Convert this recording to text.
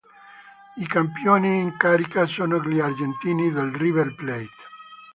I campioni in carica sono gli argentini del River Plate.